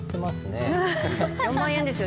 ４万円ですよ。